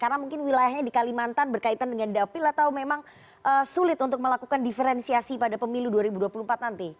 karena mungkin wilayahnya di kalimantan berkaitan dengan dapil atau memang sulit untuk melakukan diferensiasi pada pemilu dua ribu dua puluh empat nanti